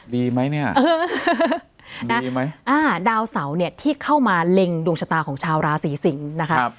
ดีไหมเนี่ยดีไหมอ่าดาวเสาเนี่ยที่เข้ามาเล็งดวงชะตาของชาวราศีสิงศ์นะคะ